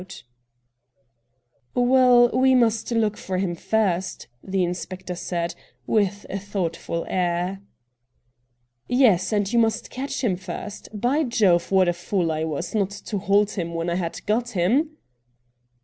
MR. RATT GUNDY 129 ' Well — we must look for hira first,' the inspector said, with a thoughtful air. 'Yes — and you must catch him first. By Jove, what a fool I was not to hold him when I had got him